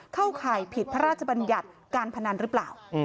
เข้าข่ายผิดพระราชบัญญัติการพนันหรือเปล่า